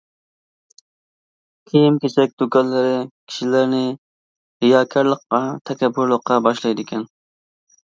كىيىم-كېچەك دۇكانلىرى كىشىلەرنى رىياكارلىققا، تەكەببۇرلۇققا باشلايدىكەن.